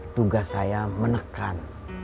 tugas saya menekan